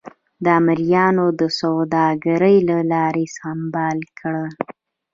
د مریانو د سوداګرۍ له لارې سمبال کړل.